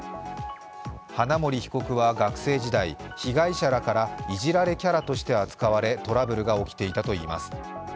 花森被告は学生時代、被害者からいじられキャラとして扱われトラブルが起きていたといいます。